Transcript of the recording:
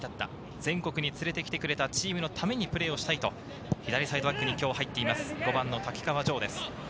全国に連れて来てくれたチームメートのために、プレーしたいと左サイドバックに入っている瀧川穣です。